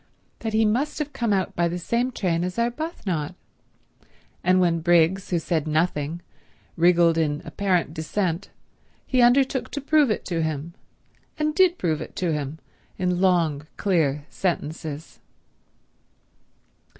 —that he must have come out by the same train as Arbuthnot, and when Briggs, who said nothing, wriggled in apparent dissent, he undertook to prove it to him, and did prove it to him in long clear sentences.